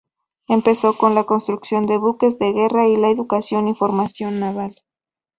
Empezó con la construcción de buques de guerra y la educación y formación naval.